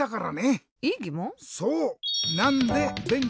そう！